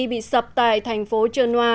bị sập tại thành phố genoa